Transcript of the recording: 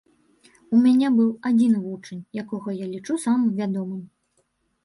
У мяне быў адзін вучань, якога я лічу самым вядомым.